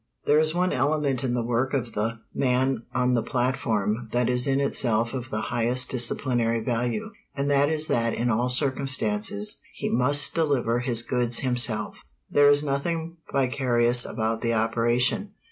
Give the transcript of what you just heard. There is one element in the work of the Man on the Platform that is in itself of the highest disciplinary value, and that is that in all circumstances he must deliver his goods himself. There is nothing vicarious about the operation.